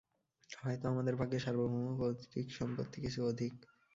হয়তো আমাদের ভাগে সার্বভৌম পৈতৃক সম্পত্তি কিছু অধিক।